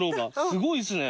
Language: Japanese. すごいですね。